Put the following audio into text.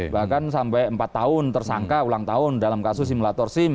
bahkan sampai empat tahun tersangka ulang tahun dalam kasus simulator sim